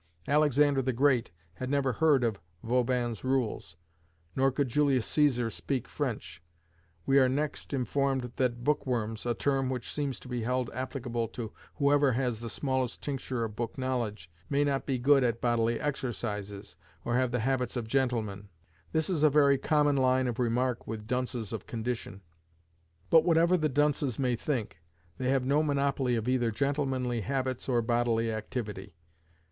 Alexander the Great had never heard of Vauban's rules, nor could Julius Cæsar speak French. We are next informed that book worms, a term which seems to be held applicable to whoever has the smallest tincture of book knowledge, may not be good at bodily exercises, or have the habits of gentlemen. This is a very common line of remark with dunces of condition; but, whatever the dunces may think, they have no monopoly of either gentlemanly habits or bodily activity.